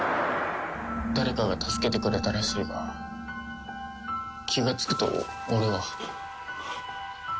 誰かが助けてくれたらしいが気がつくと俺は。